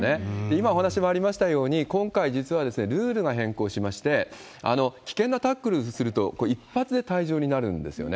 今お話しもありましたように、今回、実はルールが変更しまして、危険なタックルをすると、これ、一発で退場になるんですよね。